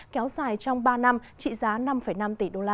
kéo dài trong ba năm trị giá năm năm tỷ đô la